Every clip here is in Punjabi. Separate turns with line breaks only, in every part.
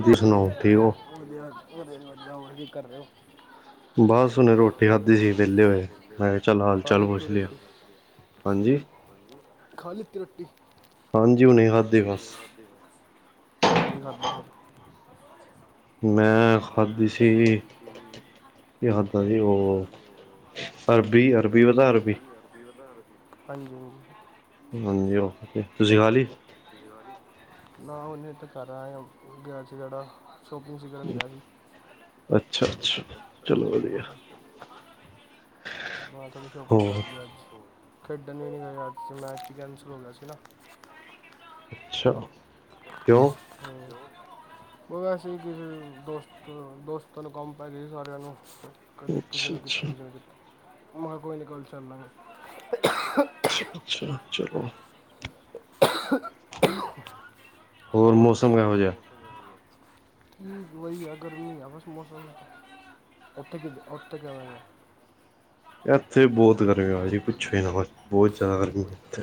ਆ
ਸੁਣਾਓ ਠੀਕ ਹੋ?
ਹੋਰ ਕੀ ਕਰ ਰਹੇ ਹੋ [unintelligible]
ਬਸ ਹੁਨੇ ਰੋਟੀ ਖਾਧੀ ਸੀ ਵੇਲੇ ਹੋਏ ਮੈਂ ਕਿਹਾ ਚੱਲ ਹਾਲ
ਖਾ
ਚਾਲ
ਲਿੱਤੀ
ਪੁੱਛ ਲੀਏ
ਰੋਟੀ
ਹਾਂਜੀ
ਖਾ ਲਿੱਤੀ ਰੋਟੀ
ਹਾਂਜੀ ਹੁਣੇ ਖਾਧੀ
[unintelligible]
ਬਸ।
ਫਿਰ
ਮੈਂ ਖਾਦੀ ਸੀ ਕੀ ਆਹਦਾ ਜੀ ਉਹ ਅਰਬੀ ਅਰਬ
ਹਾਂਜੀ ਹ
ਹਾਂਜੀ ਓਕੇ ਤੁਸੀਂ ਖਾਲੀ
ਨਾ ਉਹਨੇ ਇਥੇ ਕਰ ਆਏਆ ਗਿਆ ਸੀ ਜੇੜਾ ਸ਼ੋਪਿੰਗ ਸੀ ਕਰਨ ਗਿਆ ਸੀ
ਅੱਛਾ ਅੱਛਾ ਚਲੋ ਵਧੀਆ
ਮੈਂ ਤੁਥਾਨੂੰ ਸ਼ੋਪਿੰਗ
ਹੋਰ
ਕਰਦੀ ਅੱਜਤੇ ਖੇਡਣ ਹੀ ਨ ਹੋ ਏਆ ਅੱਜ ਮੈਚ ਹੀ ਕੈਂਸਲ ਹੋ ਗੇਆ ਸੀ ਨਾ
ਅੱਛਾ ਕਿਉਂ
[unintelligible] ਉਹ ਵੈਸੇ ਕਿਸ ਦੋਸਤ ਦੋਸਤਾਂ ਨੂੰ ਕੰਮ ਪੈ ਗਿਆ ਸੀ ਸਾਰਿਆਂ ਨੂੰ ਕਦੇ ਕਿਸੇ [unintelligible] [unintelligible]
ਅੱਛਾ
ਮੈਂ
ਅੱਛਾ
ਕਿਹਾ ਕੋਈ ਨਹੀਂ ਗੱਲ ਚੱਲ ਲਾਗੇ
ਛਾ-ਛਾ ਚਲੋ।
ਹੋਰ
ਮੌਸਮ
ਦਸੋ?
ਕਿਹੋ
ਹੋਰ
ਜਿਹਾ?
ਮੋਸਮ ਕਿਵੇਂ ਐ ਮ ਵਈ ਆ ਗਰਮੀ ਆ ਬਸ ਮੌਸਮ ਦਾ। ਉੱਥੇ [unintelligible]
ਏਥੇ ਬੋਤ ਗਰਮੀ ਵਾ ਜੀ ਪੁੱਛੋ ਈ ਨਾ ਬਸ ਬੋਤ ਜਾਦਾ ਗਰਮੀ ਆ ਏਥੇ।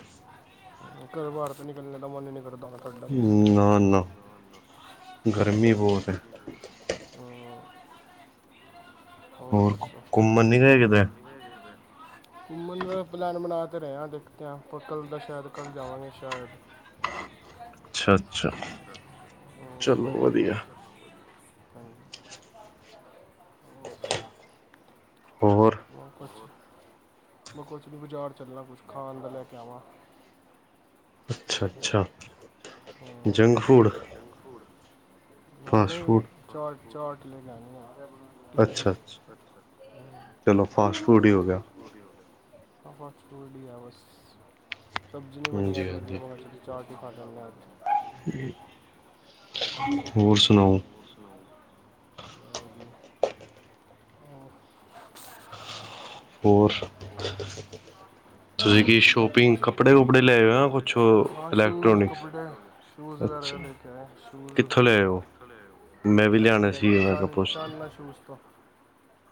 ਘਰੋਂ ਬਾਰ ਤੇ ਨਿਕਲਨੇ ਦਾ ਮਨ ਈ ਨੀ ਕਰਦਾ ਬਈ।
ਹਮ ਨਾ-ਨਾ। ਗਰਮੀ ਬੋਤ ਐ।
ਹਮ,
ਹੋਰ ਕੋ ਕੁੰਮਨ ਨੀ ਗਏ ਕਿਧਰੇ?
ਕੁੰਮਨ ਦਾ ਪਲੈਨ ਬਣਾ ਤਾ ਰੇ ਆ। ਦੇਖਤਿਆਂ ਪਰ ਕੱਲ ਦਾ ਸ਼ੈਦ ਕੱਲ ਜਾਵਾਂਗੇ ਸ਼ੈਦ।
ਅੱਛਾ -ਅੱਛਾ।
ਹਾਂਜੀ।
ਚਲੋ ਵਧੀਆ। ਹੋਰ?
ਵਾ ਪਸ ਹੋਰ। ਮੈਂ ਕੋਸ਼ ਨੀ ਬਜ਼ਾਰ ਚਲਣਾ ਕੁੱਛ ਖਾਣ ਦਾ ਲੈ ਕੇ ਆਵਾਂ।
ਅੱਛਾ-ਅੱਛਾ
ਅੱਛਾ ਹਾਂ
ਜੰਕ ਫੂਡ।
ਜੰਕ ਫੂਡ ਨਾ
ਫਾਸਟ
ਨਈ ਵੀ
ਫੂਡ
ਚਾਟ-ਚਾਟ ਲੈ ਕੇ ਆਨੀ ਐ।
ਅੱਛ-ਅੱਛ ਚਲੋ ਫਾਸਟ ਫੂਡ ਈ ਹੋਗਿਆ।
ਰੋਟੀ ਖਾਲੋ। ਫਾਸਟ ਫੂਡ ਈ ਆ ਬਸ ਸਬਜ਼ੀ ਨੀ ਬਣੀ
ਹਾਂਜੀ
ਅੱਜ ਵਧੀਆ
ਹਾਂਜੀ
ਮੈਂ ਕਿਆ ਚਲੋ ਚਾਟ ਈ ਖਾਂ ਜਾਣੇ ਆ ਅੱਜ।
ਹਮ ਹੋਰ ਸੁਣਾਓ?
ਹੋਰ ਸੁਣਾਓ? ਹਾਂ।
ਹੋਰ ਤੁਈ ਕੀ ਸ਼ੋਪ
ਕੀ-ਕੀ ਸ਼ੋਪੰਪਿੰਗ ਕਪਡ਼ੇ ਵੁਪੜ੍ਹੇ ਲਿਆਏ ਓ ਹਾਂ ਸ਼ੂਜ
ਇਲੈਕਟ੍ਰੋਨਿਕਸ
ਕੱਪੜੇ ਸ਼ੂਜ ਵਗੈਰਾ
ਅੱਛਾ
ਲੈ ਕੇ ਆਏ ਆ। ਸ਼ੂਜ਼
ਕਿੱਥੋਂ ਲਿਆਏ ਹੋ
ਕਿਥੋਂ ਲਿਆਏ
ਮੈਂ ਵੀ
ਓ? ਐਥੋਂ
ਲਿਆਣੇ
ਲੈ
ਸੀ
ਕੇ ਆਯਾ
ਮੈਂ ਕਿਹਾ ਪੁੱਛ
ਚਨ-ਚਾਨਨਾ ਸ਼ੂਜ਼ ਤੋਂ।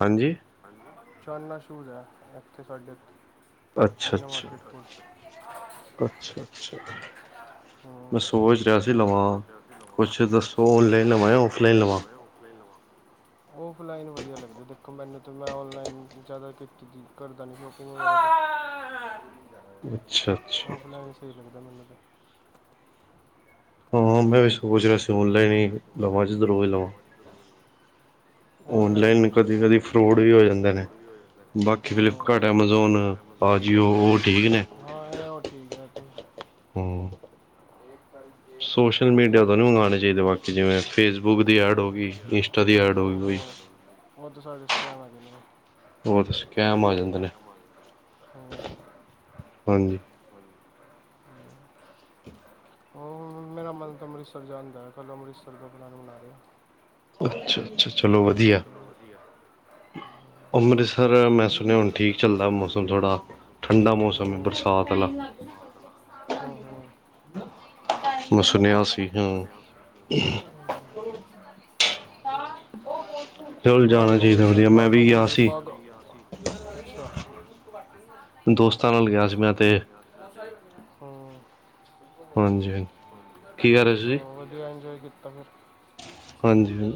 ਹਾਂਜੀ
ਚਨਨਾ ਸ਼ੂਜ਼ ਐ ਏਥੇ ਸਾਡੇ। ਮੀਨਾ
ਅੱਛ-ਅੱਛ,
ਮਾਰਕੀਟ ਕੋਲ
ਅੱਛ -ਅੱਛ।
ਹਮ।
ਮੈਂ ਸੋਚ ਰਿਆ ਸੀ ਲਵਾਂ। ਕੁੱਛ ਦੱਸੋ ਔਨਲਾਈਨ ਲਵਾਂ ਜਾਂ ਔਫਲਾਈਨ ਲਵਾਂ?
ਔਫਲਾਈਨ ਵਧੀਆ ਲਗਦੇ ਦੇਖੋ ਮੈਨੂੰ ਤੇ ਮੈਂ ਔਨਲਾਈਨ ਜਾਦਾ ਕਿਤ ਕਰਦਾ ਨੀ ਸ਼ਕ
ਅੱਛਾ
[unintelligible]
ਅੱਛਾ
ਔਫਲਾਈਨ ਸਈ ਲਗਦਾ ਮੈਨੂੰ ਤੇ।
ਹਾਂ ਮੈਂ ਵੀ ਸੋਚ ਰਿਆ ਸੀ ਔਨਲਾਈਨ ਈ ਲਵਾਂ ਜਿੱਧਰੋਂ ਵੀ ਲਵਾਂ।
ਆਨਲਾਈਨ
ਔਨਲਾਈਨ ਕਦੀ-ਕਦੀ ਫਰੋਡ ਵੀ ਹੋ ਜਾਂਦੇ ਨੇ। ਬਾਕੀ ਫਿਲਿਪ
ਹਾਂ
ਕਾਟ ਐਮਾਜ਼ੋਨ, ਆਜੀਓ ਓ ਠੀਕ ਨੇ।
ਹਾਂ ਇਹ ਉਹ ਠੀਕ ਹੈ
ਹਮ।
ਠੀਕ ਜੀ।
ਸੋਸ਼ਲ ਮੀਡੀਆ ਤਾ ਨੀ ਮੰਗਵਾਣੇ ਚਾਈਦੇ ਬਾਕੀ ਜਿਵੇਂ ਫੇਸਬੁੱਕ ਦੀ ਐਡ ਹੋਗੀ, ਇੰਸਟਾ ਦੀ ਐਡ ਹੋਗੀ ਕੋਈ
ਓ ਤਾ ਸਾਰੇ ਸਕੈਮ ਆ ਜੰਦੇ ਨੇ।
ਓ ਤੇ ਸਕੈਮ ਆ ਜਾਦੇ ਨੇ।
ਹਮ!
ਹਾਂਜੀ!
ਮ ਮੇਰਾ ਮਨ ਤਾਂ ਅੰਮ੍ਰਿਤਸਰ ਜਾਣਦਾ ਐ। ਕੱਲ੍ਹ ਅੰਮ੍ਰਿਤਸਰ ਦਾ ਪਲੈਨ ਬਣਾ ਰੇ ਆ।
ਅੱਛ-ਅੱਛ ਚਲੋ ਵਧਿਐ।
ਚਲੋ
ਅੰਮ੍ਰਿਤਸਰ ਮੈਂ ਸੁਣਿਆ ਹੁਣ ਠੀਕ ਚਲਦਾ
ਠੀਕ
ਮੌਸਮ ਥੋੜਾ
ਚੱਲ
ਠੰਡਾ ਮੌਸਮ ਏ ਬਰਸਾਤ ਅਲਾ।
ਹਮ-ਹਮ!
ਮੈਂ ਸੁਣਿਆ ਸੀ
ਮੈਂ
ਹਮ।
ਸੁਣਿਆ ਸੀ
ਚੱਲ ਜਾਣਾ
ਉਹ
ਚਾਹੀਦਾ
ਅੰਮ੍ਰਿਤਸਰ
ਵਧੀਆ ਮੈਂ
ਬਾਗਾ
ਵੀ ਗਿਆ
ਬੋਡਰ
ਸੀ
ਬਾਗਾ ਅੱਛਾ
ਦੋਸਤਾਂ ਨਾਲ ਗਿਆ ਸੀ ਮੈਂ
ਦੋਸਤਾਂ ਨਾਲ
ਤੇ
ਗਿਆ ਸੀ। ਹਮ।
ਹਾਂਜੀ ਹਾਂਜੀ। ਕੀ ਕਹਿ ਰਹੇ ਸੀ ਜੀ
ਹੋਰ ਵਧੀਆ ਇੰਜੋਏ ਕੀਤਾ ਫਿਰ।
ਹਾਂਜੀ।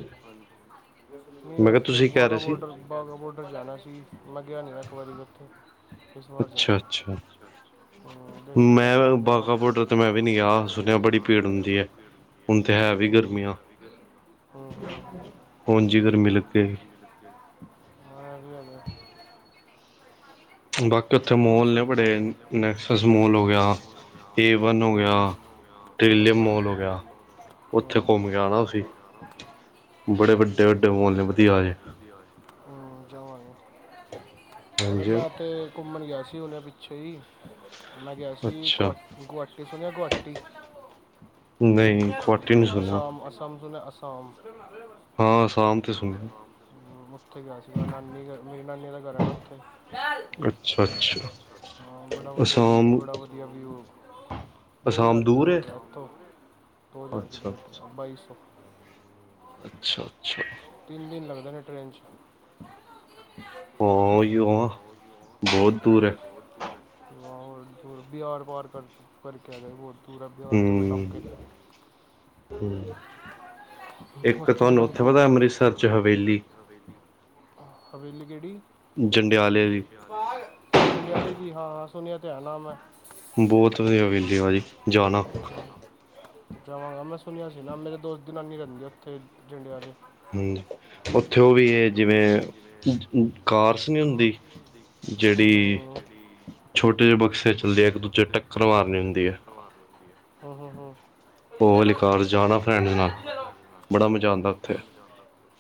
ਨਹੀਂ
ਮੈਂ ਕਿਹਾ
ਉੱਥੇ
ਤੁਸੀਂ ਕਹਿ
ਵਾਹਗਾ
ਰਹੇ ਸੀ
ਬੋਡਰ ਵਾਹਗਾ ਬੋਡਰ ਜਾਣਾ ਸੀ ਲੱਗਿਆ ਨਹੀਂ ਇੱਕ ਵਾਰੀ ਉੱਥੇ। ਵਾਰ ਜਾ
ਅੱਛਾ ਅੱਛਾ
ਦੇਖ ਕੇ ਆਂ
ਮੈਂ
ਨੇ
ਬਾਗਾ
ਵਕਥ
ਬੋਡਰ ਤੇ
ਕੋ [unintelligible]
ਮੈਂ ਵੀ ਨਹੀਂ ਗਿਆ ਸੁਣਿਆ ਬੜੀ ਭੀੜ ਹੁੰਦੀ ਹੈ ਹੁਣ ਤੇ ਹੈ ਵੀ
ਹਮ,
ਗਰਮੀਆਂ।
ਹਮ,
ਹੁਣ ਜਿ ਫੇਰ ਮਿਲ ਕੇ [unintelligible]
ਿਆ [unintelligible] ਹਾਂਧ ਲ [unintelligible]
ਬਾਕੀ ਉੱਥੇ ਮੋਲ ਨੇ
ਅੰਮ੍ਰਿਤਸਰ
ਬੜੇ
ਤਾਂ ਮੋਲ ਨੇ ਬੜੇ
ਨੈਕਸਸ ਮੋਲ ਹੋ ਗਿਆ।
ਹੋ ਗਿਆ
ਏਵਨ ਹੋ
ਹਮ,
ਗਿਆ
ਇਹ ਹਮ, ਹੋ ਗਿਆ ਹਮ,
ਟ੍ਰਲੀਅਮ ਮੋਲ ਹੋ
ਹਮ,
ਗਿਆ ਉੱਥੇ ਘੁੰਮ
ਹਮ,
ਕੇ
ਬੱਚੇ
ਆਨਾ
ਕੋਲ
ਸੀ।
ਗਿਆ ਨਾ
ਬੜੇ
ਠੀਕ
ਵੱਡੇ ਵੱਡੇ
ਬੜੇ
ਮਾਲ ਨੇ
ਵੱਡੇ
ਵਧੀਆ ਵਾਲੇ।
ਹਮ ਜਾਵਾਂਗੇ। ਅਰੇ
ਹਾਂਜੀ
ਮੈਂ ਤੇ ਘੁੰਮਣ ਗਿਆ ਸੀ ਹੁਣੇ ਪਿੱਛੇ ਹੀ ਮੈਂ ਗਿਆ ਸੀ
ਅੱਛਾ
ਗੁਹਾਟੀ। ਗੁਹਾਟੀ ਸੁਣਿਆ ਗੁਹਾਟੀ
ਨਹੀਂ ਗੁਹਾਟੀ ਨਹੀਂ ਸੁਣਿਆ
ਅਸਾਮ ਅਸਾਮ ਸੁਣਿਆ ਅਸਾਮ
ਹਾਂ ਅਸਾਮ ਤੇ
ਹਾਂ
ਸੁਣਿਆ
ਸ਼ਾਮ ਤੇ ਸੁਣਿਆ। ਉੱਥੇ ਗਿਆ ਸੀ ਮੈਂ ਨਾਨੀ ਮੇਰੀ ਨਾਨੀ ਦਾ ਘਰ ਹੈ ਨਾ ਉੱਥੇ।
ਅੱਛਾ, ਅੱਛਾ।
ਹਾਂ ਬੜਾ ਵਧੀਆ ਵੀ
ਅਸਾਮ
ਬੜਾ ਵਧੀਆ ਵਿਊ ਦੋ
ਅਸਾਮ
ਹਜ਼ਾਰ
ਦੂਰ ਹੈ
ਕਿਲੋਮੀਟਰ ਉੱਥੋਂ ਦੋ ਹਜ਼ਾਰ
ਅੱਛਾ ਅੱਛਾ
ਕਿਲੋਮੀਟਰ ਬਾਈ ਸੋ
ਅੱਛਾ- ਅੱਛਾ
ਤਿੰਨ ਦਿਨ ਲੱਗਦੇ ਨੇ ਟ੍ਰੇਨ 'ਚ
ਹਾਂ ਅਹੀ ਬਹੁਤ ਦੂਰ ਹੈ
ਬਹੁਤ ਦੂਰ ਐ ਹਾਂਦੂਰ ਬਿਹਾਰ ਪਾਰ ਕਰ ਕਰਕੇ, ਬਹੁਤ ਦੂਰ ਹੈ ਬਿਹਾਰ ਤੋਂ ਵੀ ਟੱਪ ਕੇ
ਹਮ
ਉੱਥੋ ਫਿਰ ਹਮ ਕੋ ਰਹਿਣ ਦਿੱਤਾ
ਹਵੇਲੀ
ਸਾਦੇ ਜੀ ਹਵੇਲੀ ਕਿਹੜੀ
ਜੰਡਿਆਲੇ ਦੀ
ਜੰਡ ਜੰਡਿਆਲੇ ਦੀ ਹਾਂ ਸੁਣਿਆ ਤੇ ਹੈ ਨਾਮ ਹੈ
ਬਹੁਤ ਵਧੀਆ ਹਵੇਲੀ ਵਾਲੀ ਜਾਣਾ
ਜਾਵਾਂਗਾ ਮੈਂ ਸੁਣਿਆ ਸੀ ਨਾ ਮੇਰੇ ਦੋਸਤ ਦੀ ਨਾਨੀ ਰਹਿੰਦੀ ਉੱਥੇ ਜੰਡਿਆਲੇ
ਹਮ ਉੱਥੇ ਉਹ ਵੀ ਇਹ ਜਿਵੇਂ ਕਾਰਸ ਨੀ ਹੁੰਦੀ
ਹੂੰ ਹੂੰ ਹੂੰ
ਜਿਹੜੀ
ਹੂੰ
ਛੋਟੇ ਜਿਹੇ ਬਕਸੇ 'ਚ ਲੇਕ ਦੂਜੇ ਟੱਕਰ ਮਾਰ ਲੈਂਦੀ ਹੈ
ਨਵਾਦੋ ਹ ਹ
ਉਹ ਆਲੀ ਕਾਰ ਜਾਣਾ ਫਰੈਂਡ ਨਾਲ
ਉਹਦੀ ਦੇ ਰੋ
ਬੜਾ ਮਜ਼ਾ ਆਉਂਦਾ ਉੱਥੇ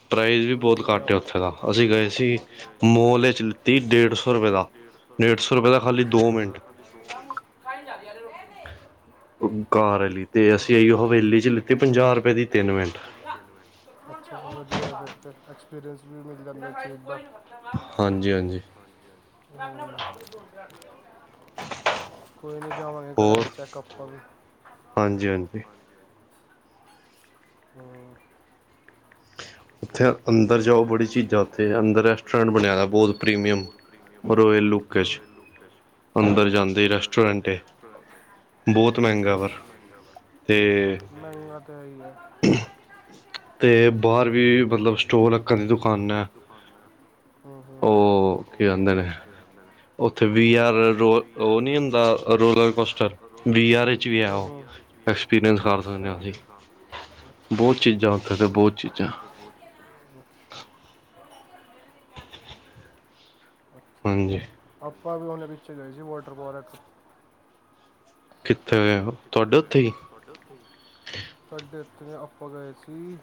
ਪ੍ਰਾਈਜ਼ ਵੀ
ਕੋਈ
ਬਹੁਤ
ਨਹੀਂ
ਘੱਟ ਹੈ
ਜਾਵਾਂ
ਉੱਥੇ ਦਾ
ਘੱਟ ਹੈ
ਅਸੀਂ ਗਏ
ਉੱਥੇ
ਸੀ
ਦਾ ਅਸੀਂ ਗਏ
ਮੋਲ ਵਿੱਚ
ਸੀ
ਤੇ
ਮੋਲ
ਡੇਢ
ਵਿੱਚ
ਸੌ ਰੁਪਏ ਦਾ ਡੇਢ ਸੌ ਰੁਪਏ ਦਾ ਖਾਲੀ ਦੋ ਮਿੰਟ
ਸਾਡੇ ਕੋਲੋਂ [unintelligible] ਆਹ ਲਿਆ ਦੇ ਆ ਰੋਟੀ ਰਹਿਣ ਦੇ
ਉਹ ਕਾਰ ਵਾਲੀ ਤੇ ਅਸੀਂ ਹਵੇਲੀ 'ਚ
ਇਹ
ਲਿੱਤੀ
ਹੋਰ
ਪੰਜਾਹ ਰੁਪਏ ਦੀ ਤਿੰਨ ਮਿੰਟ
ਰੁਪਏ ਦੀ ਸੇਲ ਹੋਈ। ਅੱਛਾ ਵਧੀਆ ਫੇਰ ਤੇ ਐਕਸਪੀਰੀਅੰਸ ਵੀ ਮਿਲ ਜਾਂਦਾ ਨਵੀਂ ਚੀਜ਼ ਦਾ
ਹਾਂਜੀ ਹਾਂਜੀ
ਹਮ ਕੋਈ ਨੀ ਜਾਵਾਂਗੇ
ਹੋਰ
ਕਰਾਂਗੇ ਚੈੱਕ ਆਪਾਂ ਵੀ
ਹਾਂਜੀ- ਹਾਂਜੀ
ਹਾਂ
[inaudible] ਉੱਥੇ
ਇਹ
ਅੰਦਰ ਜਾਓ
ਅੱਛਾ
ਬੜੀ
ਜੀ,
ਚੀਜ਼ਾਂ ਉੱਥੇ ਅੰਦਰ ਰੈਸਟੋਰੈਂਟ ਬਣਿਆ ਬਹੁਤ ਪ੍ਰੀਮੀਅਮ ਰੋਇਲ ਲੁੱਕ
ਉਹੀ
ਚ
ਲੁਕ ਐ
ਅੰਦਰ ਜਾਂਦੇ ਰੈਸਟੋਰੈਂਟ ਏ
ਪਨਖੇ
ਬਹੁਤ ਮਹਿੰਗਾ ਬਾ ਤੇ
ਮਹਿੰਗਾ ਤੇ ਹੈਹੀ ਹੈ
ਤੇ ਬਾਹਰ ਵੀ ਮਤਲਬ ਸਟੋਲ ਅੱਕਾਂ ਦੀ ਦੁਕਾਨਾਂ ਹੈ
ਹੂੰ ਹੂੰ
ਉਹ ਹੋ ਕੇ ਆਉਂਦੇ
ਉਹ
ਨੇ
ਕੀ ਨਾਮ ਹੈ
ਉੱਥੇ ਵੀ ਹਾਰ ਰੋ ਉਹ ਨਹੀ ਹੁੰਦਾ
ਰੋਡ
ਰੋਲਰ ਕੋਸਟਲ
ਰੋਲਰ
ਵੀ ਹਾਰ
ਕੋਸਟਰ
ਵਿੱਚ ਵੀ ਹੈ
ਹੂੰ
ਉਹ
ਹੂੰ। ਯਾਰ ਇਹ ਵੀ ਹੈ
ਐਕਸਪੀਰੀਅੰਸ ਕਰ
ਅੱਛਾ
ਸਕਦੇ ਅਸੀਂ
ਐਕਸਪੀਰੀਅੰਸ ਆ ਗਿਆ ਅੱਛਾ
ਬਹੁਤ
ਅੱਛਾ
ਚੀਜ਼ਾਂ ਉੱਥੇ ਤੇ
ਬਹੁਤ ਚੀਜ਼ਾ
ਚੀਜ਼ਾਂ
ਬਹੁ ਚ ਹ
ਹਾਂਜੀ
ਆਪਾਂ ਵੀ ਉਹਨਾਂ ਵਿੱਚੋਂ ਰਹਿ ਜੂ ਵੋਟਰ ਪਾਰਕ
ਕਿੱਥੇ ਹੈ ਉਹ
ਹਮ ਤੁਹਾਡੇ ਉੱਥੇ ਹੀ ਤੁਹਾਡੇ ਉੱਥੇ ਆਪਾਂ ਗਏ ਸੀ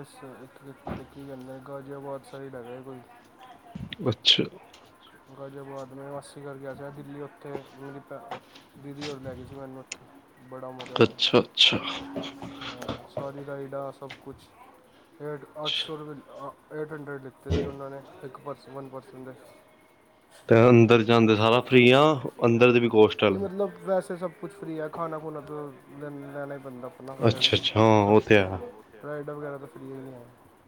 ਇਸ [unintelligible] ਕੀ ਗਲ ਐ ਗਾਜ਼ਿਆਆਬਾਦ ਸਾਈਡ ਹੈਗਾ ਹੈ ਕੋਈ। ਹਹਛਾ [unintelligible]
ਅੱਛਾ।
ਗਾਜਿਆਬਾਦ ਮੇਂ ਮਾਸੀ ਘਰ ਗਿਆ ਥਾ ਦਿਲੀਂ ੳਥੇ ਮੇ- ਦੀਦੀ ਹੋਰ ਮੈ ਗਏ ਸੀ ਸਾਨੂੰ ਉੱਥੇ ਬੜਾ ਮਜ਼ਾ ਆਇਆ,
ਅੱਛਾ
ਅ
ਅੱਛਾ
ਜਾ। ਹਾਂ ਸਾਰੀ ਰਾਈਡਾ ਸਭ ਕੁਛ, ਸਿਰਫ ਅੱਠ ਸੌ ਰੁਪਏ ਲਿ ਆ। ਏਟ ਹੰਡਰਡ ਲਿੱਤੇ ਸੀ ਉਹਨਾਂ ਨੇ ਇੱਕ ਪਰਸਨਲ ਪਰਸਨ ਦੇ‌।
ਤੇ ਅੰਦਰ ਜਾਂਦੇ ਸਾਰਾ ਫ੍ਰਰੀ ਆ ਅੰਦਰ ਦੇ ਵੀ ਕੋਸਟ ਆ
ਕੀ ਮਤਲਬ, ਵੈਸੇ ਸਭ ਕੁਛ ਫਰੀ ਹੈ ਖਾਣਾ- ਖੁਣਾ ਤਾਂ ਲ ਲੈਣਾ ਹੀ ਪੈਂਦਾ ਆਪਣਾ ਪੈਸੇਆਂ ਦਾ
ਅੱਛਾ ਅੱਛਾ
ਬਾਕੀ
ਹਾਂ
ਸਭ,
ਉਹ ਤੇ ਹੈ
ਰਾਈਡ ਵਗੈਰਾ ਤਾਂ ਫਰੀ ਹੈ ਆ।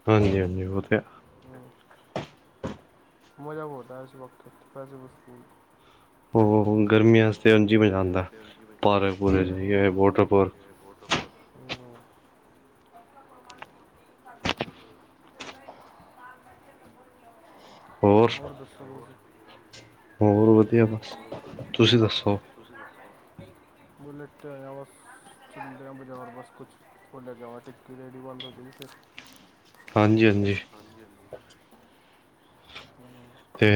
ਹਾਂਜੀ- ਹਾਂਜੀ ਉਹ ਤੇ,
ਮਜ਼ਾ ਬੋਤ ਆਇਆ ਸੀ ਇਸ ਵਕਤ ਪੈਸੇ ਪੂ-
ਹੂੰ-ਹੂੰ ਗਰਮੀਆਂ ਆਸਤੇ ਉਝ ਮਜ਼ਾ ਆਂਦਾ ਪਾਰਕ ਪੂਰਕ ਜਾਇਏ ਵੋਟਰ ਪੋਕ
ਹੂੰ ਹਾਂ ਹੋਰ ਦਸੋ ਤੁਸੀਂ?
ਹੋਰ ਵਧੀਆ ਬਸ, ਤੁਸੀਂ ਦੱਸੋ?
ਮੈਂ ਲੇਟਿਆ ਹੈਆ ਬਸ ' ਆਆ ਬਜਾਰ ਬਸ ਕੁਛ, ਫੁੱਲ ਲੈ ਕੇ ਆਵਾਂ ਤੇ [unintelligible]
ਹਾਂਜੀ- ਹਾਂਜੀ। ਤੇ।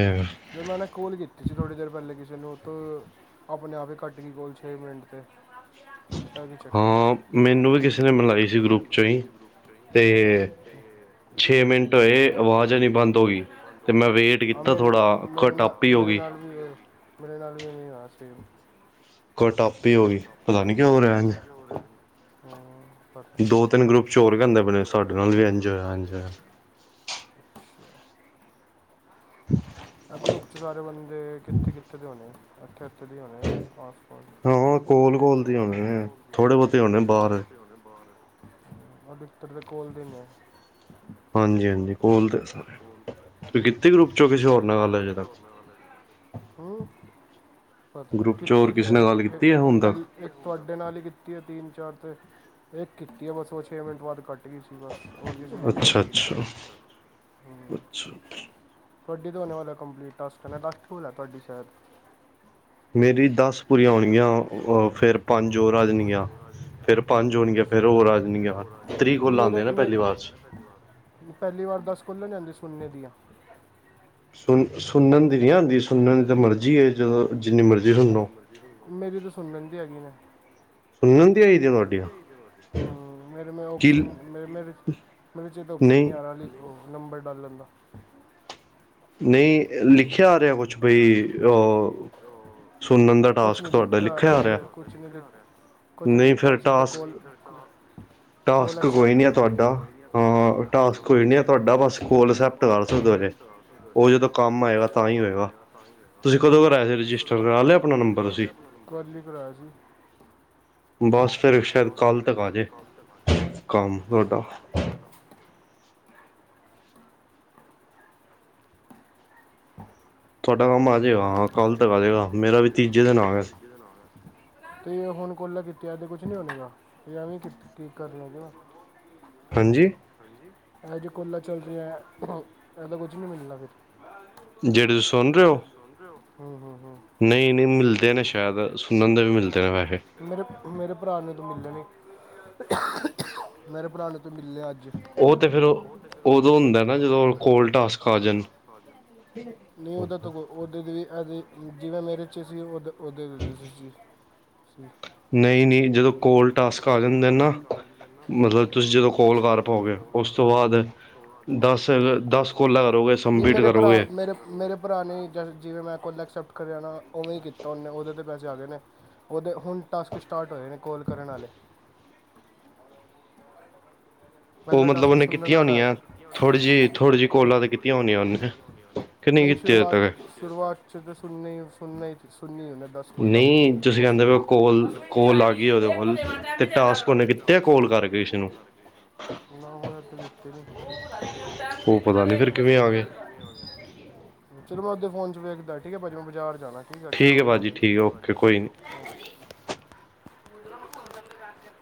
ਜਦ ਮੈਂ ਨਾ ਕੋਲ ਕੀਤੀ ਸੀ ਥੋੜੀ ਦੇਰ ਪਹਿਲੇ ਕਿਸੇ ਨੂੰ ਉਹ ਤੋ, ਆਪਣੇ ਆਪ ਈ ਕੱਟ ਗੀ ਕੋਲ ਛੇ ਮਿੰਟ ਤੇ। ਇਹ ਕੀ ਚੱਕਰ
ਹਾਂ
ਹੋਇਆ
ਮੈਨੂੰ ਵੀ ਕਿਸ- ਨੇ
ਹਾਂ ਮੇਰੀ
ਮਿਲਾਈ ਸੀ ਗਰੁੱਪ ਚੋਂ ਹੀ, ਤੇ ਛੇ ਮਿੰਟ- ਏ
ਮਿੰਟ
ਆਵਾਜ਼ ਆਨੀ
ਹੋਏ
ਬੰਦ ਹੋ ਗਈ
ਆਵਾਜ਼ ਨਹੀਂ ਬੰਦ
ਤੇ
ਹੋਈ
ਮੈਂ ਵੇਟ ਕੀਤਾ ਥੋੜਾ ਕੱਟੱ ਆਪੇ ਹੀ ਹੋ ਗਈ।
ਕੀ ਕਿਹ ਰੇ- ਮੇਰੇ ਨਾਲ ਵੀ ਐਵੇਂ ਈ ਹੋਇਆ ਸੈਮ।
ਕੋ ਕੱਟ ਆਪੇ ਈ ਹੋ ਗਈ, ਪਤਾ ਨੀ ਕਿਉਂ ਹੋ ਰਿਹਾ ਏਂਝ।
ਹਾਂ ਪਤਾ
ਦੋ- ਤਿੰਨ
ਨਹੀਂ
ਗਰੁੱਪ ਚ ਹੋਰ ਵੀ ਹਦੇ ਬਣੇ ਸਾਡੇ ਨਾਲ ਵੀ ਇੰਜ ਹੋਇਆ- ਇਹ ਇੰਜ ਹੋਇਆ। [inaudible]
ਏ ਗਰੁੱਪ ਚ ਸਾਰੇ ਬੰਦੇ ਕਿੱਥੇ- ਕਿੱਥੇ ਦੇ ਹੋਣੇ, ਇੱਥੇ ਓਥੇ ਦੇ ਈ ਹੋਣੇ ਐ ਆਸਪਾਸ।
ਹਾਂ ਕੋਲ- ਕੋਲ ਦੇ ਈ ਹੋਣੇ ਨੇ ਥੋੜੇ ਬੋਤੇ ਹੋਣੇ ਨੇ ਬਾਹਰ।
ਦੇ ਹੁਣਗੇ ਬਾਹਰ। ਉਹ ਡਿੱਤਰ ਦੇ ਕੋਲ ਦੇ ਨੇ।
ਹਾਂਜੀ- ਹਾਂਜੀ ਕੋਲ ਦੇ ਸਾਰੇ, ਤੁ ਕਿੱਤੀ ਗਰੁੱਪ ਚੋਂ ਕਿਸੇ ਹੋਰ ਨਾਲ ਗੱਲ ਅਜੇ ਤੱਕ।
ਨਾਲ ਹੈ। ਹੂੰ
ਗਰੁੱਪ ਚ ਹੋਰ
ਕੀਤੀ ਤੇ
ਕਿਸੇ
ਐ ਇਕ
ਗੱਲ
ਨਾਲ
ਕੀਤੀ ਹੈ ਹੁਣ
ਪਰ
ਤੱਕ
ਈ ਇੱਕ ਤੁਹਾਡੇ ਨਾਲ ਹੀ ਕੀਤੀ ਹੈ ਤਿੰਨ- ਚਾਰ ਤੇ, ਇੱਕ ਕੀਤੀ ਹੈ ਬਸ ਉਹ ਛੇ ਮਿੰਟ ਬਾਅਦ ਕੱਟ ਸੀ ਬਸ ਹੋਰ ਕਿਸੇ ਨਾਲ ਤੇ
ਅੱਛਾ
ਕੀਤੀ ਨੀ।
ਅੱਛਾ ਅੱਛਾ ਜੀ।
ਤੁਹਾਡੀ ਤੋਂ ਹੋਣ ਵਾਲੇ ਕੰਪਲੀਟ ਟਾਸਕ ਹਨਾ, ਦੱਸ ਕੋਲਾ ਹੈ ਤੁਹਾਡੀ ਸ਼ਾਇਦ?
ਮੇਰੀ ਦੱਸ ਪੁਰੀਆਂ ਹੋਣਗੀਆਂ,
ਦਸ
ਫੇਰ
ਕੁ-
ਪੰਜ
ਔਰ
ਉਰ ਆ
ਫਿਰ ਪੰਜ
ਜਣਗੀਆਂ। ਫੇਰ ਪੰਜ ਹੋਣਗੀਆਂ ਫੇਰ ਹੋਰ ਆ ਜਾਣਗੀਆਂ ਤੇਰੀਕ ਕੋਲਾ ਆਂਦੀਆਂ ਨਾ ਪਹਿਲੀ ਵਾਰ ਚ।
ਪਹਿਲੀ ਵਾਰ ਦੱਸ ਕੋਲਾ ਈ ਆਂਦੀਆਂ ਸੁਣਨ ਦੀਆਂ।
ਸੁਣਨ ਦੀ ਨਹੀਂ ਆਉਂਦੀ ਸੁਣਨ ਦੀ ਤਾਂ ਮਰਜ਼ੀ ਹੈ ਜਦੋਂ ਜਿੰਨੀ ਮਰਜ਼ੀ ਸੁਣ ਲੋ।
ਮੇਰੀ ਤੇ ਸੁਣ ਲੈਂਦੀ ਹੈਗੀ ਨੇ।
ਸੁਣਨ ਦੀ ਆਈ ਦੀ ਤੁਹਾਡੀਆਂ
ਹਾਂ, ਮੇਰੇ ਮੈਂ
ਕਿ
ਔਪਸ਼ਨ ਮੇਰੇ-ਮੇਰੇ ਮੇਰੇ 'ਚ ਇਹਦਾ ਓਪਸ਼ਨ
ਨਹੀਂ
ਨ੍ਹੀਂ ਆ ਰਹਾ, ਨੀ ਉਹ ਨੰਬਰ ਡਾਲਨ ਦਾ
ਨਹੀਂ ਲਿਖਿਆ ਆ ਰਿਹਾ ਕੁਛ, ਬਈ ਅ ਸੁਣਨ ਦਾ ਟਾਸਕ ਤੁਹਾਡਾ ਲਿਖਿਆ ਆ ਰਿਹਾ।
ਕੁਛ ਨੀ ਦਿਖਾ ਰਿਆ। ਕੁਛ ਨ
ਨਹੀਂ ਫਿਰ
ਲਿਖਿਆ ਸਿੱਧਾ ਕੋਲ
ਟਾਸਕ
ਕੋਲ਼
ਟਾਸਕ
ਐਕਸਪਟ
ਨਹੀਂ ਆ
ਕਰੋ। ਕੋਈ
ਤੁਹਾਡਾ
ਨ
ਹਾਂ ਟਾਸਕ ਕੋਈ ਨਹੀਂ ਆ
ਤੁਹਾਡਾ
ਤੁਹਾਡਾ
ਕੋਈ
ਬਸ
ਨ
ਕੋਲ
ਤੁਹਾਡਾ
ਅਸੈਪਟ ਕਰ
ਕੋਲ
ਸਕਦੇ ਹੋ ਜੇ
ਐਕਸਪਟ
ਉਹ ਜਦੋਂ ਕੰਮ ਆਏਗਾ ਤਾਂ ਹੀ ਹੋਏਗਾ। ਤੁਸੀਂ ਕਦੋਂ ਕਰਾਇਆ ਸੀ, ਰਜਿਸਟਰ ਕਰਾ ਲਿਆ ਆਪਣਾ ਨੰਬਰ ਤੁਸੀਂ।
ਕੱਲ੍ਹ ਈ ਕਰਾਇਆ ਸੀ।
ਬਸ ਫੇਰ ਸ਼ਾਇਦ, ਕੱਲ੍ਹ ਤੱਕ ਆਜੇ, ਕੰਮ ਤੁਹਾਡਾ। ਤੁਹਾਡਾ ਕੰਮ ਆਜੇਗਾ। ਹਾਂ, ਕੱਲ੍ਹ ਤੱਕ ਆਜੇਗਾ। ਮੇਰਾ ਵੀ ਤੀਜੇ ਦਿਨ ਆ ਗਿਆ ਸੀ।
ਕੀਦੇ ਨਾਮ ਐ। ਤੇ ਹੁਣ ਕੋਲ਼ਾ ਕੀਤੀਆਂ ਐਦਾ ਕੁਛ ਨੀ ਹੋਣੇਗਾ। ਤੇ ਐਵੇਂ ਕੀ ਕਰ ਰਿਹਾਗੇ।
ਹਾਂਜੀ।
ਆ ਜੇ ਕੋਲਾਂ ਚੱਲਦੀਆਂ, ਇਹਦਾ ਕੁਝ ਨੀ ਮਿਲਣਾ ਫਿਰ।
ਜਿਹੜੇ ਤੁਸੀਂ ਸੁਣ ਰਹੇ ਓ?
ਹੂੰ-ਹੂੰ-ਹੁੰ।
ਨਹੀਂ-ਨਹੀਂ, ਮਿਲਦੇ ਨੇ ਸ਼ਾਇਦ, ਸੁਣਨ ਦੇ ਵੀ ਮਿਲਦੇ ਨੇ ਵੈਹੇ।
ਮੇਰੇ-ਮੇਰੇ ਭਰਾ ਨੂੰ ਤੇ ਮਿਲਦੇ ਨੇ। ਮੇਰੇ ਭਰਾ ਨੂੰ ਤੋਂ ਮਿਲ਼ੇ ਅੱਜ।
ਉਹ ਤੇ ਫੇਰ, ਉਦੋਂ ਹੁੰਦਾ ਨਾ, ਜਦੋਂ ਕੋਲ਼ ਟਾਸਕ ਆ ਜਾਣ।
ਨੂ ਉਹਦਾ ਤਾ ਕੋਈ। ਉਦਾਂ ਵੀ ਅਜੇ, ਜਿਵੇਂ ਮੇਰੇ 'ਚ ਸੀ। ਉਦਾ-ਉਦੇ 'ਚ ਵੀ ਸੀ, ਜੀ।
ਨਹੀਂ-ਨਹੀਂ ਜਦੋਂ ਕੋਲ਼ ਟਾਸਕ ਆ ਜਾਂਦੇ ਨਾ ਮਤਲਬ, ਤੁਸੀਂ ਜਦੋਂ ਕੋਲ਼ ਕਰ ਪਾਓਗੇ। ਉਸ ਤੋਂ ਬਾਅਦ ਦਸ ਦਸ ਕੋਲਾਂ ਕਰੋਗੇ
ਨਹੀਂ
ਸਬਮਿਟ
ਮੇਰੇ ਭਰਾ,
ਕਰੋਗੇ
ਮੇਰੇ-ਮੇਰੇ ਭਰਾ ਨੇ, ਜਿਵੇਂ ਮੈਂ ਕੋਲ਼ਾ ਐਕਸੈਪਟ ਕਰ ਰਿਹਾ ਨਾ। ਉਵੇਂ ਈ ਕੀਤਾ ਉਹਨੇ। ਉਹਦੇ ਤੇ ਪੈਸੇ ਆਗੇ ਨੇ। ਉਹਦੇ ਹੁਣ ਟਾਸਕ ਸਟਾਟ ਹੋਏ ਨੇ, ਕੋਲ਼ ਕਰਨ ਆਲੇ।
ਉਹ
ਪਹਿਲਾ
ਮਤਲਬ
ਟਾਸਕ
ਉਹਨੇ
ਸੁਣਨ
ਕੀਤੀਆਂ
ਵਾਲਾ ਆਇਆ
ਹੋਣੀਆਂ।
ਸੀ
ਥੋੜੀ ਜਿਹੀ, ਥੋੜੀ ਜਿਹੀ ਕੋਲਾਂ ਤੇ ਕੀਤੀਆਂ ਹੋਣੀਆਂ ਉਹਨੇ? ਕਿੰਨੇ
ਨਹੀਂ
ਕੀਤੇ ਅੱਜ
ਸ਼ੁਰੂਆਤ
ਤੱਕ?
ਸ਼ੁਰੂਆਤ 'ਚ ਤੇ ਸੁਣਨੇ-ਸੁਣਨਾ-ਸੁਣਨੇ ਹੁੰਦਾ, ਦਸ ਕੋਲ਼ਾ।
ਨਹੀਂ ਤੁਸੀਂ
ਉਸ
ਕਹਿੰਦੇ
ਤੋਂ
ਪਏ
[unintelligible]
ਕੋਲ
ਕਰਕੇ
ਕੋਲ ਆ ਗਈ ਉਹਦੇ ਕੋਲ ਤੇ ਟਾਸਕ ਉਹਨੇ ਕੀਤੇ ਕੋਲ ਕਰਕੇ ਕਿਸੇ ਨੂੰ
ਨਾ ਹੋਏਗਾ। [unintelligible]
ਉਹ ਪਤਾ ਨੀ ਫਿਰ ਕਿਵੇਂ ਆ ਗਏ
ਚਲੋ, ਮੈਂ ਓਦੇ ਫ਼ੋਨ 'ਚ ਵੇਖਦਾ, ਠੀਕ ਐ ਭਾਜੀ। ਮੈਂ ਬਾਜ਼ਾਰ ਜਾਣਾ। ਠੀਕ ਆ ਟਾਈਮ
ਹੈ
ਵੀ ਹੋ
ਭਾਜੀ
ਗਿਆ। ਠੀਕ
ਹੈ
ਏ
ਓਕੇ
ਭਾਜੀ, ਠੀਕ
ਕੋਈ
ਆ
ਨੀ
ਓਕੇ ਜੀ।